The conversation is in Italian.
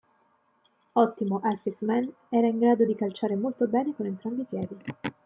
Ottimo assist-man, era in grado di calciare molto bene con entrambi i piedi.